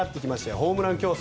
ホームラン競争